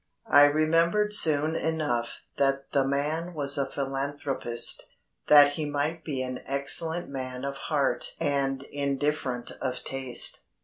I remembered soon enough that the man was a philanthropist, that he might be an excellent man of heart and indifferent of taste.